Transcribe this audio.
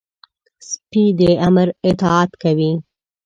سپي د امر اطاعت کوي.